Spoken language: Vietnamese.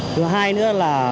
thứ hai nữa là